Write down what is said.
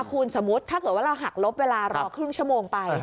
คุณสมมุติถ้าเกิดว่าเราหักลบเวลารอครึ่งชั่วโมงไป